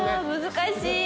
難しい！